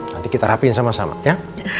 nanti kita rapiin sama sama ya